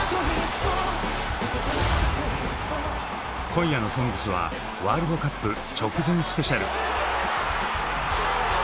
今夜の「ＳＯＮＧＳ」はワールドカップ直前スペシャル！